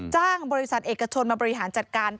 จ้างบริษัทเอกชนมาบริหารจัดการ